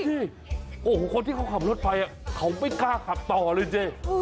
เมื่อเขาขับรถไปเขาไม่กล้าขับต่อเลยเจ๊